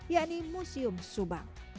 yakni museum subang